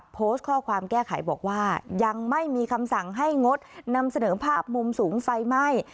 โพสต์ข้อความแก้ไขบอกว่ายังไม่มีคำสั่งให้งดนำเสนอภาพมุมสูงไฟไหม้